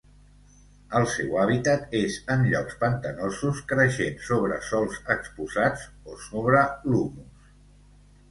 El seu hàbitat és en llocs pantanosos creixent sobre sòls exposats o sobre l'humus.